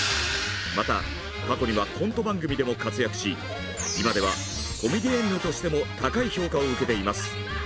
また過去にはコント番組でも活躍し今ではコメディエンヌとしても高い評価を受けています。